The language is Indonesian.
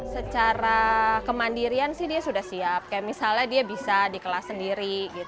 secara kemandirian sih dia sudah siap kayak misalnya dia bisa di kelas sendiri